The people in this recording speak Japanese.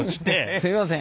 すいません。